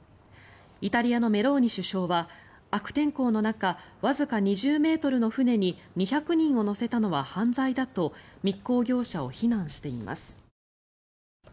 イタリアのメローニ首相は悪天候の中わずか２０ｍの船に２００人を乗せたのは犯罪だと密航業者を非難しています。